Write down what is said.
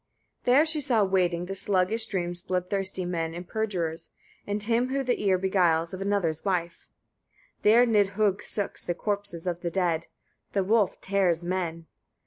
43. She there saw wading the sluggish streams bloodthirsty men and perjurers, and him who the ear beguiles of another's wife. There Nidhögg sucks the corpses of the dead; the wolf tears men.